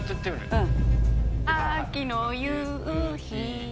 うん。